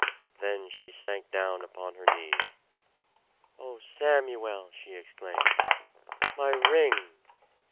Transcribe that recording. Then she sank down upon her knees. "Oh, Samuel!" she exclaimed. "My ring!"